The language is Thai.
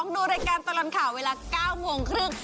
ดูรายการตลอดข่าวเวลา๙โมงครึ่ง